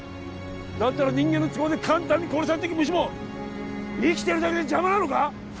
だったら人間の都合で簡単に殺されていく虫も生きてるだけで邪魔なのか？